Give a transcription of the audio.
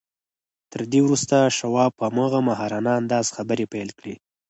تر دې وروسته شواب په هماغه ماهرانه انداز خبرې پيل کړې.